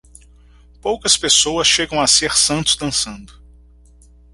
Poucas pessoas chegam a ser santos dançando.